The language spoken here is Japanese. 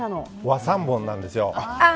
和三盆なんですよ。